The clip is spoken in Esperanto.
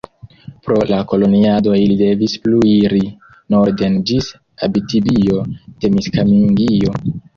Pro la koloniado ili devis plu iri norden ĝis Abitibio-Temiskamingio.